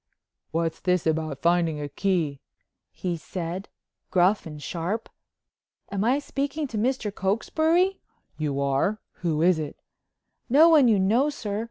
"What's this about finding a key?" he said gruff and sharp. "Am I speaking to Mr. Cokesbury?" "You are. Who is it?" "No one you know, sir.